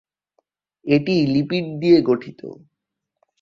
এটি লিপিড দিয়ে গঠিত।